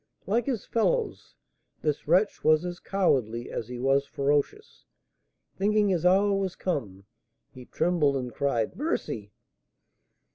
Like his fellows, this wretch was as cowardly as he was ferocious. Thinking his hour was come, he trembled, and cried "Mercy!"